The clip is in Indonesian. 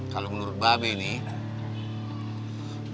kalau menurut mba be nih